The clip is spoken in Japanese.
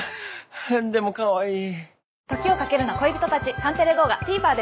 えっでもかわいい。